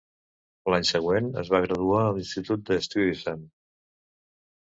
L'any següent es va graduar a l'institut de Stuyvesant.